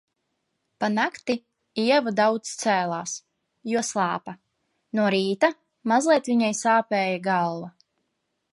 Pa nakti Ieva daudz cēlās, jo slāpa. No rīta mazliet viņai sāpēja galva.